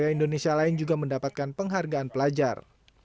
indonesia lain juga mendapatkan penghargaan pelajar